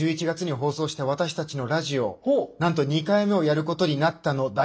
１１月に放送した私たちのラジオなんと２回目をやることになったの。